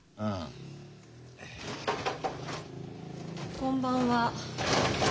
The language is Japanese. こんばんは。